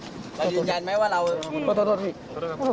รู้จันไหมว่าเราขอโทษพี่ขอโทษพี่ขอโทษ